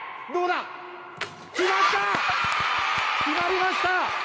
決まりました！